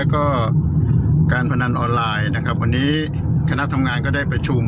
วันนี้คณะทำงานก็ได้ประชุม